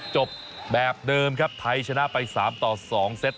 จบแบบเดิมครับไทยชนะไป๓ต่อ๒เซต